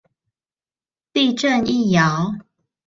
地震一搖